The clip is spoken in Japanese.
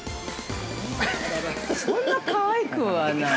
◆そんなかわいくはない。